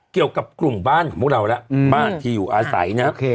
เกี่ยวกับกลุ่มบ้านของพวกเราแล้วบ้านที่อยู่อาศัยนะ